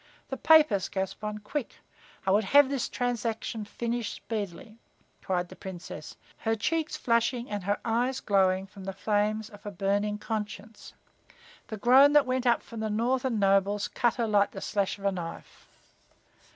The papers, Gaspon, quick! I would have this transaction finished speedily," cried the Princess, her cheeks flushing and her eyes glowing from the flames of a burning conscience. The groan that went up from the northern nobles cut her like the slash of a knife.